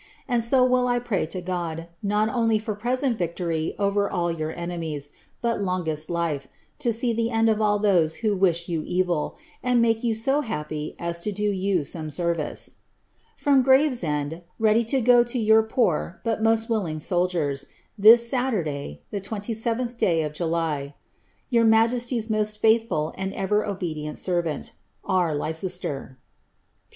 And so will I pray to God, not only for present victory over all your enemies, but longest life, to see the end of all those wbo wish you evil, and make me so happy as to do you some service. ■ From Gravesend, ready to go to your pore^ but most willing soldiers, this Saturday, the 27th day of July. Your majesty's most faithful and ever obedient servant, " R. Lbicbstbb.